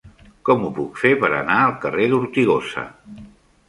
Com ho puc fer per anar al carrer d'Ortigosa?